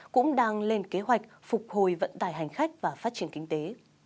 cũng đang lên kế hoạch phục hồi vận tài hành khách và phát triển kinh tế